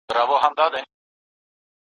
موږ ټوله ښه خلګ یو